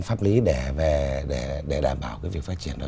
pháp lý để đảm bảo việc phát triển đó